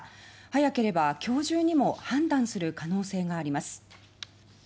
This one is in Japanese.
早ければ今日中にも判断する可能性があります。